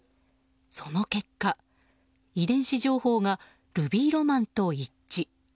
その結果、遺伝子情報がルビーロマンと一致。